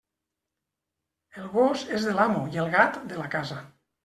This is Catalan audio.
El gos és de l'amo, i el gat, de la casa.